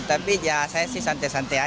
tapi ya saya sih santai santai aja